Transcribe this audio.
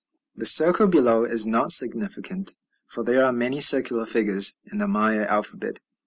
The circle below is not significant, for there are many circular figures in the Maya alphabet.